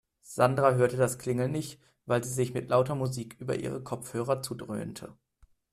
Sandra hörte das Klingeln nicht, weil sie sich mit lauter Musik über ihre Kopfhörer zudröhnte.